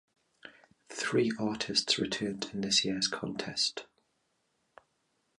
Three artists returned in this year's contest.